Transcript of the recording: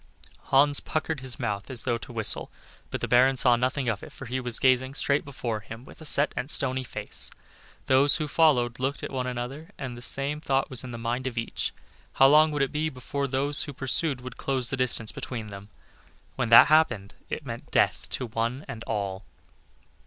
Hans puckered his mouth as though to whistle, but the Baron saw nothing of it, for he was gazing straight before him with a set and stony face. Those who followed him looked at one another, and the same thought was in the mind of each how long would it be before those who pursued would close the distance between them? When that happened it meant death to one and all.